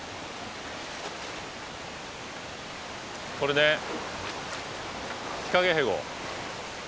これねヒカゲヘゴ。